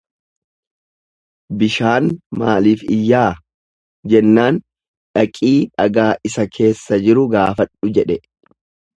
Bishaan maaliif iyyaa? jennaan dhaqii dhagaa isa keessa jiru gaafadhu jedhe.